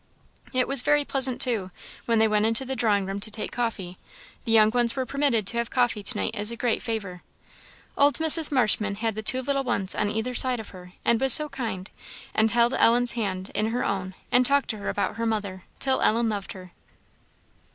It was very pleasant, too, when they went into the drawing room to take coffee. The young ones were permitted to have coffee to night as a great favour. Old Mrs. Marshman had the two little ones on either side of her, and was so kind, and held Ellen's hand in her own, and talked to her about her mother, till Ellen loved her.